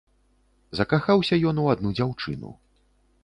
Закахаўся ён у адну дзяўчыну.